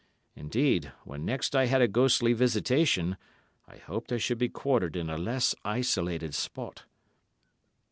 Indeed, when next I had a ghostly visitation, I hoped I should be quartered in a less isolated spot.